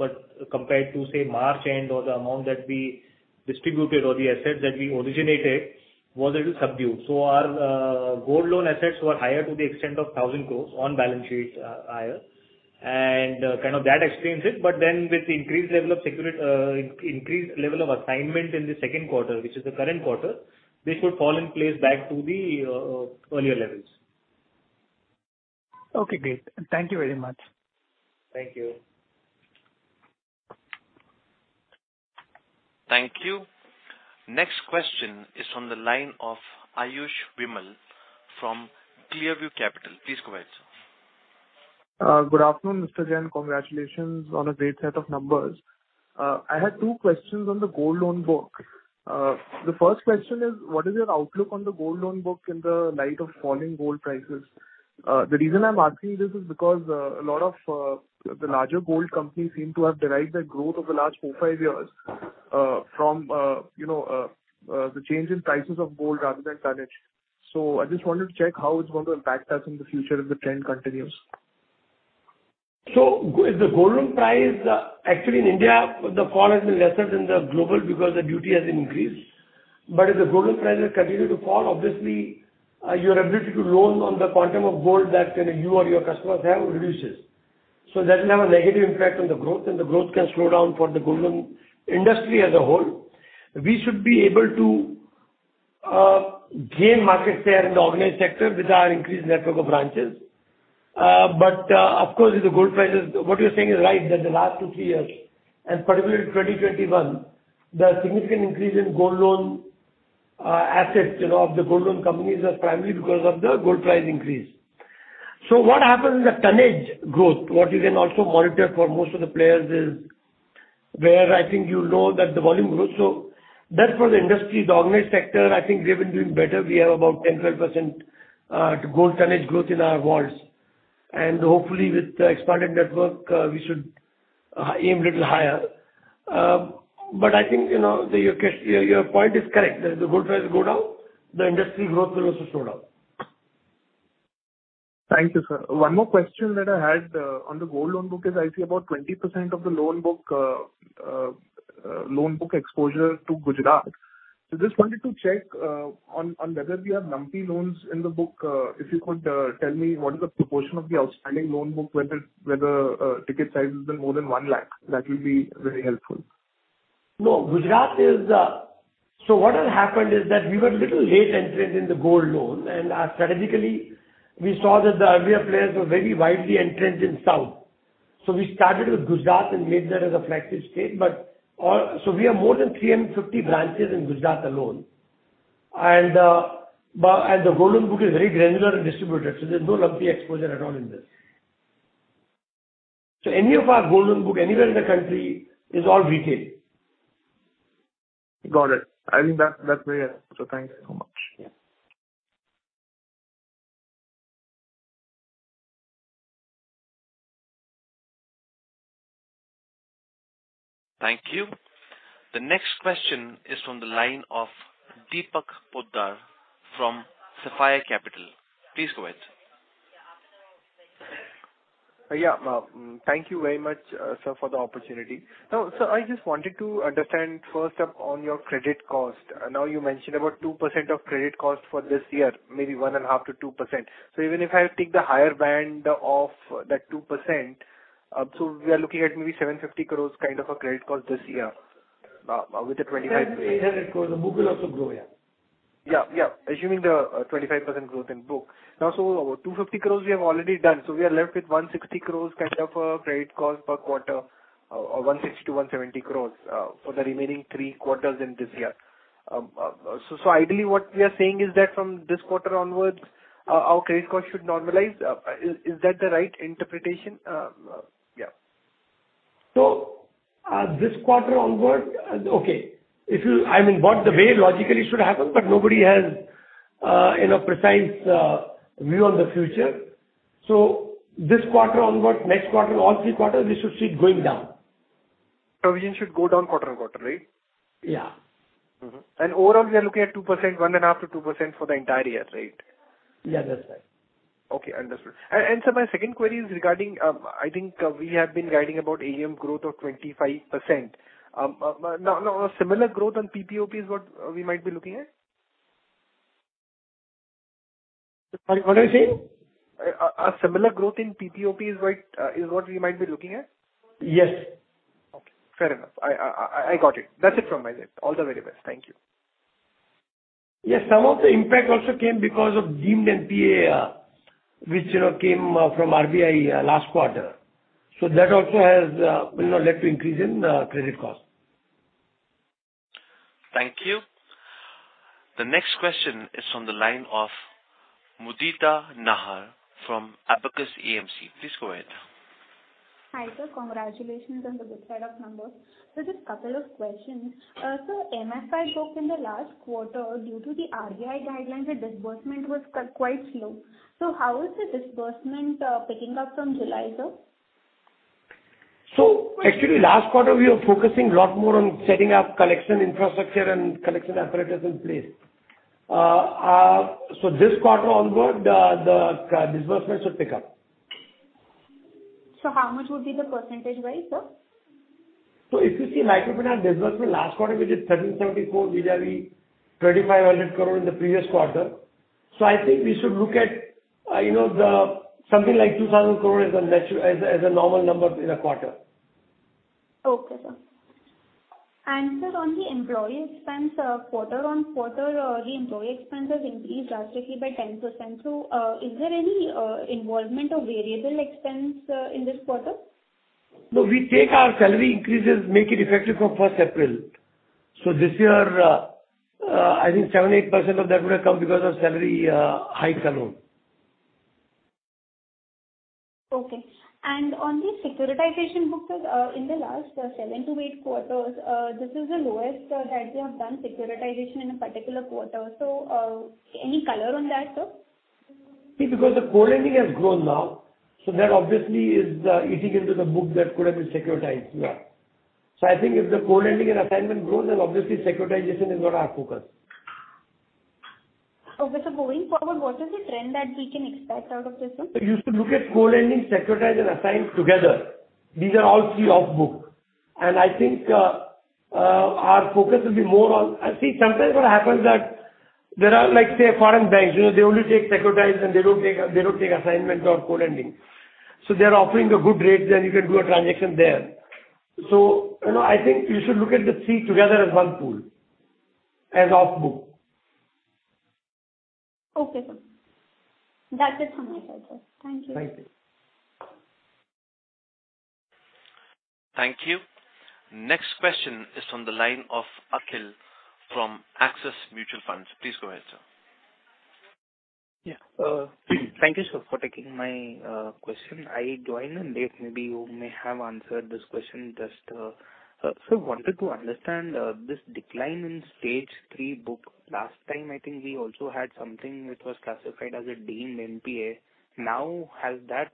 Compared to, say, March end or the amount that we distributed or the assets that we originated was a little subdued. Our gold loan assets were higher to the extent of 1,000 crore on balance sheets. Kind of that extremes it, but then with increased level of assignment in the second quarter, which is the current quarter, this would fall in place back to the earlier levels. Okay, great. Thank you very much. Thank you. Thank you. Next question is from the line of Ayush Vimal from Clearview Capital. Please go ahead, sir. Good afternoon, Mr. Jain. Congratulations on a great set of numbers. I had two questions on the gold loan book. The first question is, what is your outlook on the gold loan book in the light of falling gold prices? The reason I'm asking this is because a lot of the larger gold companies seem to have derived their growth over the last four, five years from you know the change in prices of gold rather than tonnage. I just wanted to check how it's going to impact us in the future if the trend continues. With the gold price, actually in India, the fall has been lesser than the global because the duty has increased. If the gold prices continue to fall, obviously, your ability to loan on the quantum of gold that kind of you or your customers have reduces. That will have a negative impact on the growth, and the growth can slow down for the gold industry as a whole. We should be able to gain market share in the organized sector with our increased network of branches. Of course, with the gold prices, what you're saying is right, that the last two, three years, and particularly in 2021, the significant increase in gold loan assets, you know, of the gold loan companies was primarily because of the gold price increase. What happens is the tonnage growth, what you can also monitor for most of the players is where I think you'll know that the volume grows. That for the industry, the organized sector, I think we have been doing better. We have about 10%-12% gold tonnage growth in our vaults. Hopefully with the expanded network, we should aim a little higher. I think, you know, your point is correct. If the gold prices go down, the industry growth will also slow down. Thank you, sir. One more question that I had on the gold loan book is I see about 20% of the loan book exposure to Gujarat. Just wanted to check on whether we have lumpy loans in the book. If you could tell me what is the proportion of the outstanding loan book whether ticket size has been more than 1 lakh. That will be very helpful. No, Gujarat is. What has happened is that we were a little late entrant in the gold loan. Strategically, we saw that the earlier players were very widely entrenched in South. We started with Gujarat and made that as a flagship state. We have more than 350 branches in Gujarat alone. The gold loan book is very granular and distributed, so there's no lumpy exposure at all in this. Any of our gold loan book anywhere in the country is all retail. Got it. I think that's very helpful. Thank you so much. Yeah. Thank you. The next question is from the line of Deepak Poddar from Sapphire Capital. Please go ahead. Yeah. Thank you very much, sir, for the opportunity. Now, sir, I just wanted to understand first up on your credit cost. Now, you mentioned about 2% of credit cost for this year, maybe 1.5%-2%. Even if I take the higher band of that 2%, we are looking at maybe 750 crore kind of a credit cost this year, with the 25%- As the book will also grow, yeah. Yeah, yeah. Assuming the 25% growth in book. Now, 250 crores we have already done, so we are left with 160 crore kind of a credit cost per quarter, or 160 crore-170 crore, for the remaining three quarters in this year. Ideally what we are saying is that from this quarter onwards, our credit cost should normalize. Is that the right interpretation? Yeah. This quarter onward, okay. If you, I mean, what the way logically should happen, but nobody has, you know, precise view on the future. This quarter onward, next quarter, all three quarters, we should see it going down. Provision should go down quarter-on-quarter, right? Yeah. Overall, we are looking at 2%, 1.5%-2% for the entire year, right? Yeah, that's right. Okay, understood. Sir, my second query is regarding, I think we have been guiding about AUM growth of 25%. Now a similar growth on PPOP is what we might be looking at? Sorry, what are you saying? A similar growth in PPOP is what we might be looking at? Yes. Okay. Fair enough. I got it. That's it from my side. All the very best. Thank you. Yes. Some of the impact also came because of deemed NPA, which, you know, came from RBI last quarter. That also has, you know, led to increase in credit cost. Thank you. The next question is from the line of Mudita Nahar from Abakkus AMC. Please go ahead. Hi, sir. Congratulations on the good set of numbers. Just a couple of questions. MFI book in the last quarter, due to the RBI guidelines, the disbursement was quite slow. How is the disbursement picking up from July, sir? Actually last quarter we were focusing a lot more on setting up collection infrastructure and collection apparatus in place. This quarter onward, disbursement should pick up. How much would be the percentage rise, sir? If you see microfinance disbursement last quarter, we did INR 1,374 crore vis-a-vis 2,500 crore in the previous quarter. I think we should look at, you know, something like 2,000 crore as a normal number in a quarter. Okay, sir. Sir, on the employee expense, quarter-on-quarter, the employee expense has increased drastically by 10%. Is there any involvement of variable expense in this quarter? No, we take our salary increases, make it effective from first April. This year, I think 7%-8% of that would have come because of salary hike alone. On the securitization books, in the last seven to eight quarters, this is the lowest that you have done securitization in a particular quarter. Any color on that, sir? See, because the core lending has grown now, so that obviously is eating into the book that could have been securitized. Yeah. So I think if the core lending and assignment grows, then obviously securitization is not our focus. Okay. Going forward, what is the trend that we can expect out of this, sir? You should look at core lending, securitization and assignment together. These are all three off-book. I think our focus will be more on. See, sometimes what happens that there are like, say, foreign banks, you know, they only take securitization and they don't take assignments or core lending. They're offering a good rate, then you can do a transaction there. You know, I think you should look at the three together as one pool, as off-book. Okay, sir. That is from my side, sir. Thank you. Thank you. Thank you. Next question is from the line of Akhil from Axis Mutual Fund. Please go ahead, sir. Yeah. Thank you, sir, for taking my question. I joined in late, maybe you may have answered this question just. Wanted to understand this decline in stage three book. Last time, I think we also had something which was classified as a deemed NPA. Now, has that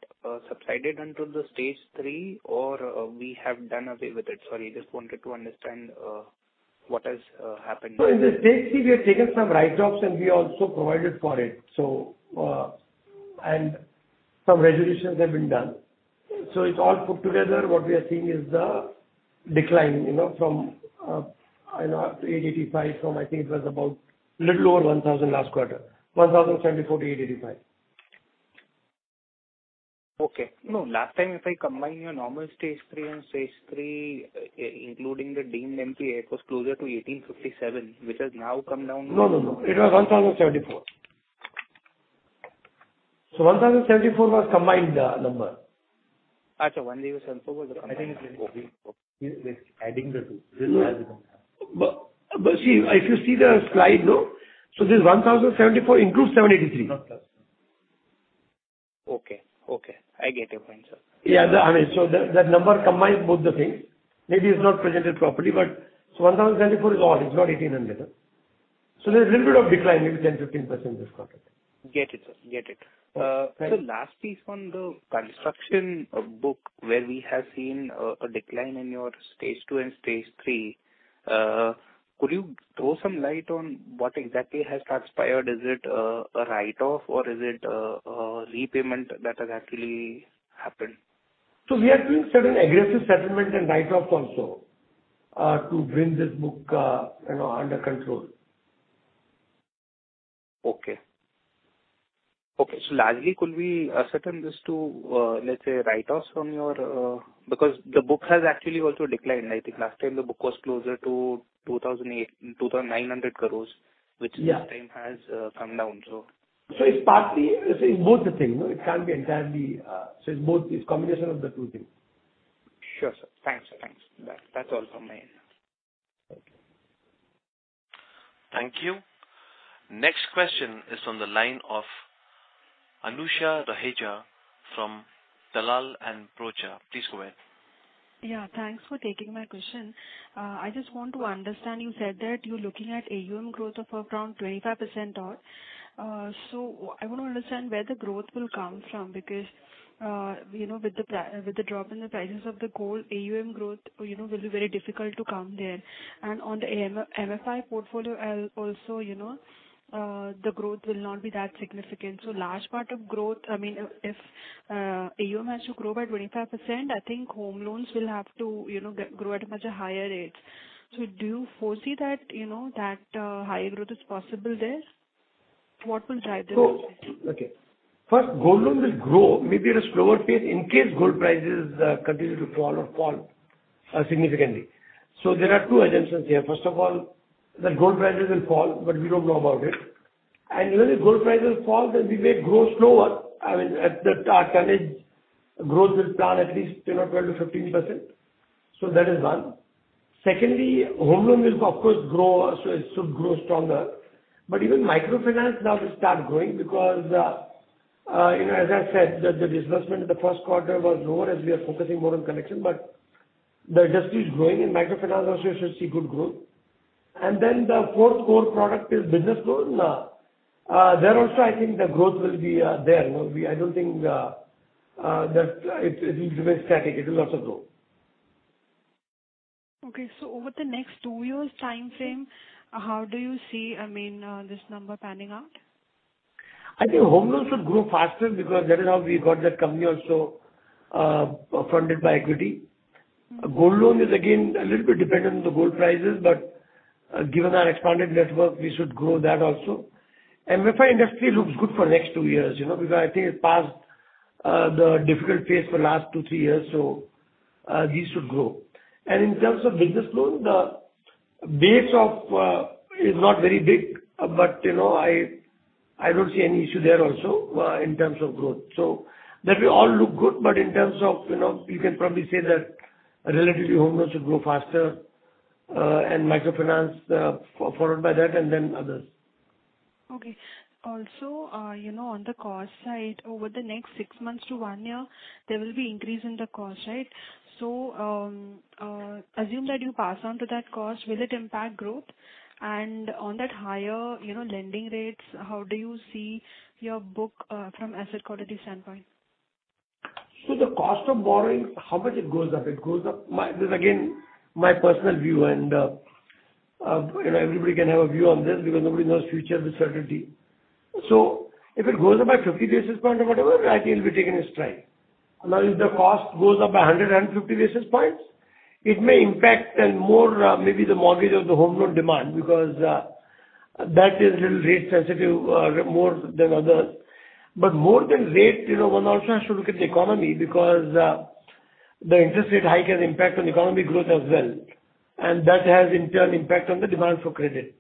subsided until the stage three or we have done away with it? Sorry, just wanted to understand what has happened there. In the stage three, we have taken some write-offs, and we also provided for it. Some resolutions have been done. It's all put together, what we are seeing is the decline, you know, from, you know, up to 885 crore from, I think it was about little over 1,000 crore last quarter. 1,074 crore to 885 crore. Okay. No, last time if I combine your normal stage three and stage three, including the deemed NPA, it was closer to 1,857 crore, which has now come down. No, no. It was 1,074 crore. 1,074 crore was combined number. Acha, one thousand- I think it's we adding the two. This is- See if you see the slide. No. This 1,074 crore includes 783 crore. Okay. Okay. I get your point, sir. Yeah. I mean, that number combines both the things. Maybe it's not presented properly, but 1,074 crore is odd. It's not 1,800 crore. There's a little bit of decline, maybe 10%-15% this quarter. Get it, sir. Get it. Right. Sir, last piece on the construction book where we have seen a decline in your stage two and stage three. Could you throw some light on what exactly has transpired? Is it a write-off or is it repayment that has actually happened? We are doing certain aggressive settlement and write-offs also, to bring this book, you know, under control. Largely, could we attribute this to, let's say, write-offs from your book. Because the book has actually also declined. I think last time the book was closer to 2,800 crore-2,900 crore. Yeah. Which this time has come down, so. It's partly, it's both the thing. It can't be entirely. It's both, it's combination of the two things. Sure, sir. Thanks. That, that's all from my end. Okay. Thank you. Next question is from the line of Anusha Raheja from Dalal & Broacha. Please go ahead. Yeah, thanks for taking my question. I just want to understand, you said that you're looking at AUM growth of around 25% out. I want to understand where the growth will come from because, you know, with the drop in the prices of the gold, AUM growth, you know, will be very difficult to come there. On the AM-MFI portfolio also, you know, the growth will not be that significant. Large part of growth, I mean, if AUM has to grow by 25%, I think home loans will have to, you know, grow at much higher rates. Do you foresee that, you know, that high growth is possible there? What will drive this? Okay. First, gold loan will grow maybe at a slower pace in case gold prices continue to crawl or fall significantly. There are two assumptions here. First of all, that gold prices will fall, but we don't know about it. Even if gold prices fall, then we may grow slower. I mean, our planned growth will be at least 12%-15%, you know. That is one. Secondly, home loan will of course grow, so it should grow stronger. Even microfinance now will start growing because, you know, as I said, the disbursement in the first quarter was lower as we are focusing more on collection. The industry is growing and microfinance also should see good growth. The fourth core product is business loan. There also I think the growth will be there. You know, I don't think that it will remain static. It will also grow. Okay. Over the next two years timeframe, how do you see, I mean, this number panning out? I think home loans should grow faster because that is how we got that company also funded by equity. Gold loan is again a little bit dependent on the gold prices, but given our expanded network, we should grow that also. We find industry looks good for next two years, you know, because I think it passed the difficult phase for last two, three years, so we should grow. In terms of business loan, the base of is not very big, but, you know, I don't see any issue there also in terms of growth. That will all look good, but in terms of, you know, you can probably say that relatively home loans should grow faster and microfinance followed by that and then others. Also, you know, on the cost side, over the next six months to one year, there will be increase in the cost, right? Assume that you pass on to that cost, will it impact growth? On that higher, you know, lending rates, how do you see your book from asset quality standpoint? The cost of borrowing, how much it goes up? It goes up. This is again, my personal view, and, you know, everybody can have a view on this because nobody knows future with certainty. If it goes up by 50 basis points or whatever, I think it'll be taken in stride. Now, if the cost goes up by 150 basis points, it may impact and more, maybe the mortgage of the home loan demand because, that is little rate sensitive, more than others. More than rate, you know, one also has to look at the economy because, the interest rate hike has impact on economic growth as well. That has in turn impact on the demand for credit.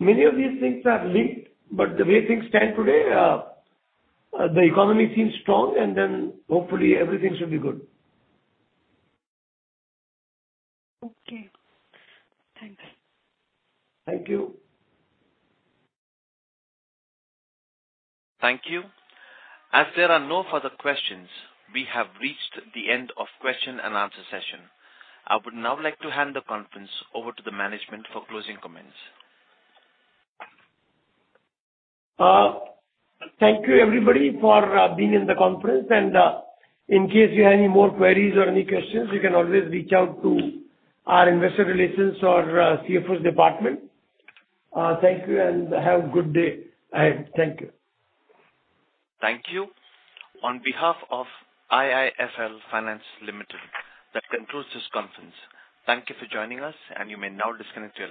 Many of these things are linked, but the way things stand today, the economy seems strong and then hopefully everything should be good. Okay. Thanks. Thank you. Thank you. As there are no further questions, we have reached the end of question and answer session. I would now like to hand the conference over to the management for closing comments. Thank you everybody for being in the conference and, in case you have any more queries or any questions, you can always reach out to our investor relations or CFO's department. Thank you and have a good day. I thank you. Thank you. On behalf of IIFL Finance Limited, that concludes this conference. Thank you for joining us and you may now disconnect your line.